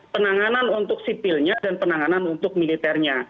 penanganan untuk sipilnya dan penanganan untuk militernya